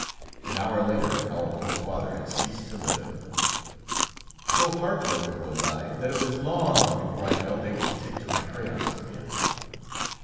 An hour later our poor father had ceased to live. So heartbroken was I that it was long before I felt able to take to my crayons again.